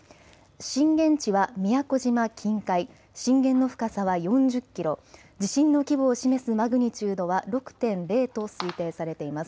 震源地は宮古島近海、震源の深さは４０キロ、地震の規模を示すマグニチュードは６．０と推定されています。